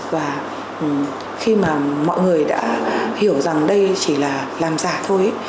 và khi mà mọi người đã hiểu rằng đây chỉ là làm giả thôi